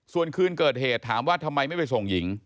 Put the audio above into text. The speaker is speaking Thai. ส่วนคืนเกิดเหตุถามว่าทำไมไม่ไปส่งหญิง